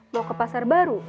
mau ke pasar baru